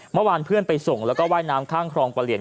เมื่อวานเพื่อนไปส่งแล้วก็ว่ายน้ำข้างครองประเหลียน